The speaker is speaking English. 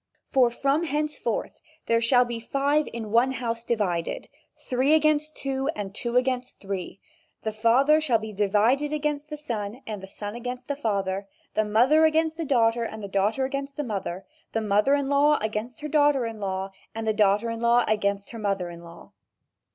For from henceforth there shall be five in one house divided, three against two, and two against three. The father shall be divided against the son, and the son against the father, the mother against the daughter and the daughter against the mother, the mother in law against her daughter in law, and the daughter in law against her mother in law."